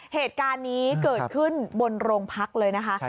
เหตุการณ์นี้เกิดขึ้นบนโรงพักเลยนะคะ